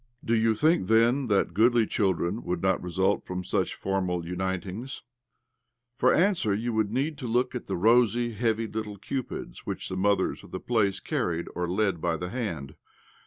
Do you think, then, that goodly children would not result from such formal unitihgs ? For answer you would need but to look at the rosy, heavy little cupids which the mothers of the place carried or led by the hand.